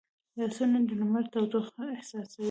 لاسونه د لمري تودوخه احساسوي